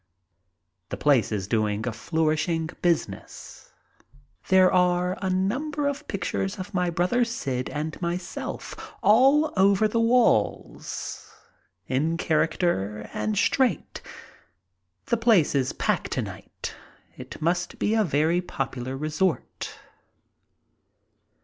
The place is doing a flourishing business. I40 MY TRIP ABROAD There are a number of pictures of my brother Syd and my self all over the walls, in character and straight. The place is packed to night. It must be a very popular resort.